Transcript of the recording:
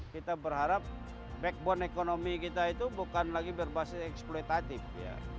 kita berharap backbone ekonomi kita itu bukan lagi berbasis eksploitatif